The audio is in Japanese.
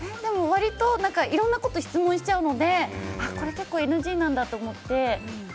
割といろいろなことを質問しちゃうのでこれ結構ＮＧなんだと思って。